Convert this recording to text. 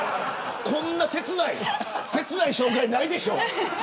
こんな切ない紹介ないでしょ。